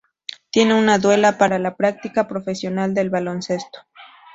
Tiene una duela para la práctica profesional del baloncesto.